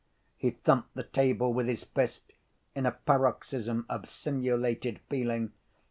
He thumped the table with his fist in a paroxysm of simulated feeling.